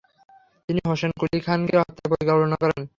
তিনি হোসেন কুলী খানকে হত্যার পরিকল্পনা করেন।